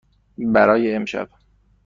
برای امشب.